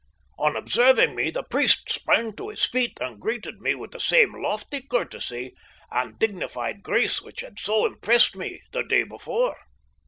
On observing me the priest sprang to his feet and greeted me with the same lofty courtesy and dignified grace which had so impressed me the day before.